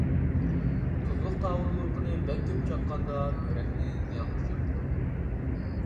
تۇزلۇق تاۋۇز ئۇرۇقىنى بەك كۆپ چاققاندا بۆرەكنى زىيانغا ئۇچرىتىدۇ.